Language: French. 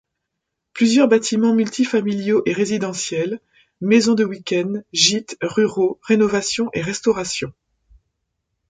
Plusieurs bâtiments multifamiliaux et résidentiels, maisons de week-end, gîtes ruraux, rénovations et restaurations.